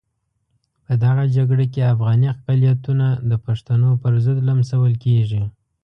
په دغه جګړه کې افغاني اقلیتونه د پښتنو پرضد لمسول کېږي.